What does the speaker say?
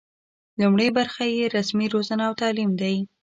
لومړۍ برخه یې رسمي روزنه او تعلیم دی.